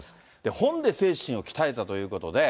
本で精神を鍛えたということで。